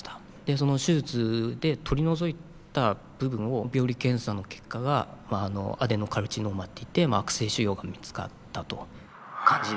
手術で取り除いた部分を病理検査の結果がアデノカルチノーマっていって悪性腫瘍が見つかったという感じですね。